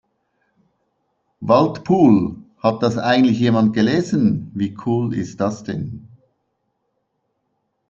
Waldpool, hat das eigentlich jemand gelesen? Wie cool ist das denn?